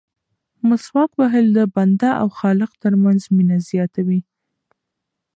مسواک وهل د بنده او خالق ترمنځ مینه زیاتوي.